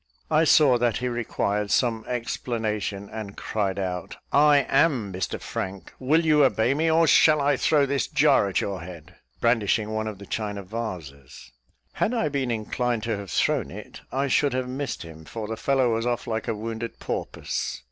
I saw that he required some explanation, and cried out, "I am Mr Frank; will you obey me, or shall I throw this jar at your head?" brandishing one of the china vases. Had I been inclined to have thrown it, I should have missed him, for the fellow was off like a wounded porpoise.